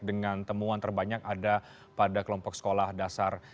dengan temuan terbanyak ada pada kelompok sekolah dasar